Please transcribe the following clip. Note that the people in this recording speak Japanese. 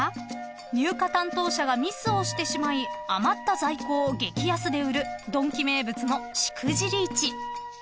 ［入荷担当者がミスをしてしまい余った在庫を激安で売るドンキ名物のしくじり市］